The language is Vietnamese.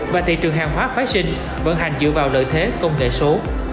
và thị trường hàng hóa phái sinh vận hành dựa vào lợi thế công nghệ số